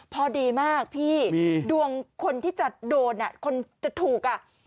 พอดีมากพี่ดวงคนที่จะโดนคนที่จะถูก